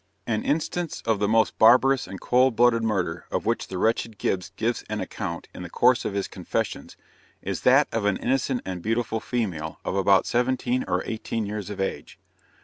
An instance of the most barbarous and cold blooded murder of which the wretched Gibbs gives an account in the course of his confessions, is that of an innocent and beautiful female of about 17 or 18 years of age!